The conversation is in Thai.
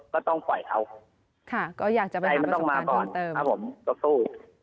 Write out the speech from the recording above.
ก็ต้องปล่อยเขาใจมันต้องมาก่อนครับผมต้องสู้